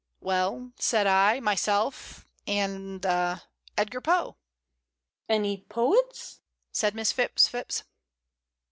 "Well," said I, "myself, and ah Edgar Poe." "Any poets?" said Miss Phipps Phipps.